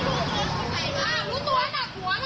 มึงไม่ได้ว่าคนไม่ฝันมึงไม่ได้ด่าเค้า